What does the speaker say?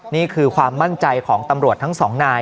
นี่คือความมั่นใจของตำรวจทั้งสองนาย